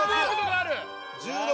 ある。